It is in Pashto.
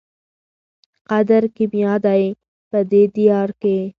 قدر کېمیا دی په دې دیار کي